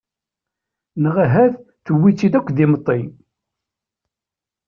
Neɣ ahat tewwi-tt-id akk d imeṭṭi.